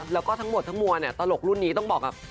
แล้วก็ทั้งหมดทั้งมวลเนี่ยตลกรุ่นนี้ต้องบอกกับ